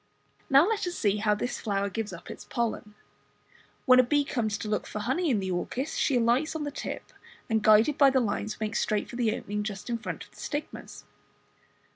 Now let us see how this flower gives up its pollen. When a bee comes to look for honey in the orchis, she alights on the lip, and guided by the lines makes straight for the opening just in front of the stigmas.